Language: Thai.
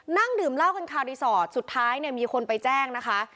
นั่งดื่มเล่ากันคลาวรีสอร์ตและสุดท้ายมีคนไปแจ้งนะคะ